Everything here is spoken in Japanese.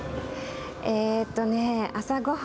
えっとね朝御飯。